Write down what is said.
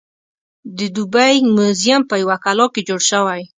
د دوبۍ موزیم په یوه کلا کې جوړ شوی.